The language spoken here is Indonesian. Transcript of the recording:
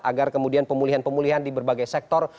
agar kemudian pemulihan pemulihan di berbagai sektor